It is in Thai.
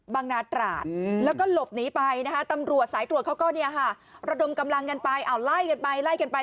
นาตราดแล้วก็หลบหนีไปนะคะตำรวจสายตรวจเขาก็ระดมกำลังกันไปเอาไล่กันไปไล่กันไป